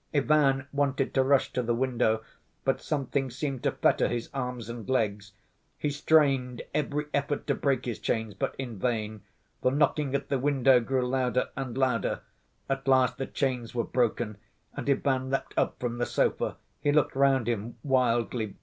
Ivan wanted to rush to the window, but something seemed to fetter his arms and legs. He strained every effort to break his chains, but in vain. The knocking at the window grew louder and louder. At last the chains were broken and Ivan leapt up from the sofa. He looked round him wildly.